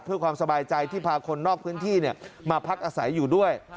เพื่อความสบายใจที่พาคนนอกพื้นที่มาพักอาศัยอยู่ด้วย